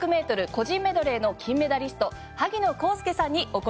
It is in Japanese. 個人メドレーの金メダリスト萩野公介さんにお越し頂きました。